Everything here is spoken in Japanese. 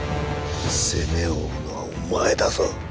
責めを負うのはお前だぞ。